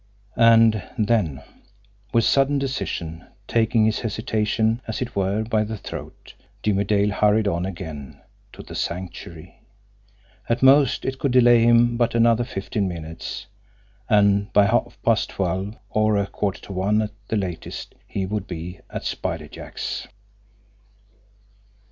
And then, with sudden decision, taking his hesitation, as it were, by the throat, Jimmie Dale hurried on again to the Sanctuary. At most, it could delay him but another fifteen minutes, and by half past twelve, or a quarter to one at the latest, he would be at Spider Jack's.